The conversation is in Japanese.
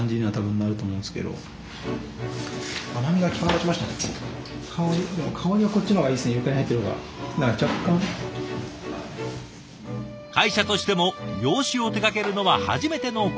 会社としても洋酒を手がけるのは初めてのこと。